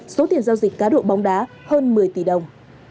số tiền giao dịch cá độ bóng đá hơn một mươi tỷ đồng